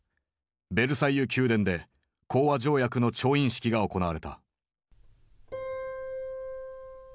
ベルサイユ宮殿で講和条約の調印式が行われた。